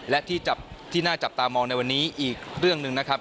และที่น่าจับตามองในวันนี้อีกเรื่องหนึ่งนะครับ